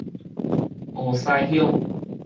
湖西鄉